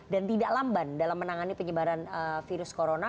dan tidak lamban dalam menangani penyebaran virus corona